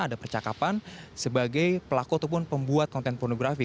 ada percakapan sebagai pelaku ataupun pembuat konten pornografi